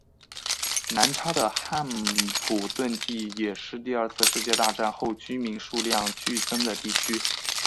南叉的汉普顿地区也是第二次世界大战后居民数量剧增的地区。